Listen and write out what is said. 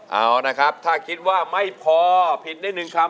เอานะครับถ้าคิดว่าไม่พอผิดได้หนึ่งคำ